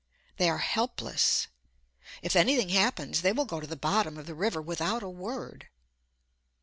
They are helpless. If anything happens they will go to the bottom of the river without a word.